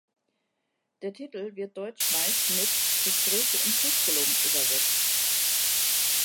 Der Titel wird deutsch meist mit „Gespräche in Tusculum“ übersetzt.